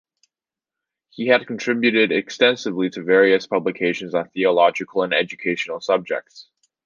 He had contributed extensively to various publications on theological and educational subjects.